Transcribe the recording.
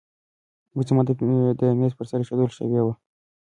مجسمه د مېز پر سر ایښودل شوې وه او ځلېدله.